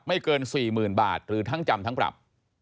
เกิน๔๐๐๐บาทหรือทั้งจำทั้งปรับ